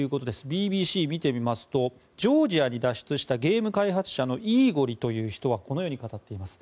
ＢＢＣ見てみますとジョージアに脱出したゲーム開発者のイーゴリという人はこのように語っています。